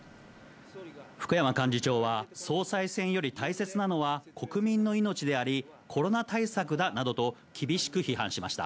福山幹事長は、総裁選より大切なのは国民の命であり、コロナ対策だなどと、厳しく批判しました。